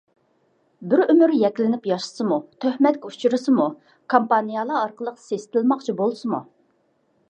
بىر ئۆمۈر يەكلىنىپ ياشىسىمۇ، تۆھمەتكە ئۇچرىسىمۇ، كامپانىيالار ئارقىلىق سېسىتىلماقچى بولسىمۇ.